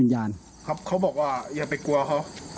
นะครับเขาบอกอย่าไปกลัวเขา